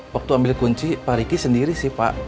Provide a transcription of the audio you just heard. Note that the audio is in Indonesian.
waktu ambil kunci pak riki sendiri sih pak